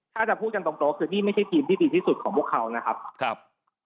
ถ้าจะพูดกันตรงคือนี่ไม่ใช่ทีมที่ดีที่สุดของพวกเขานะครับ